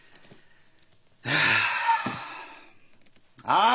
ああ！